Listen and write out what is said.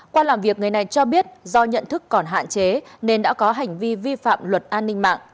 qua làm việc người này cho biết do nhận thức còn hạn chế nên đã có hành vi vi phạm luật an ninh mạng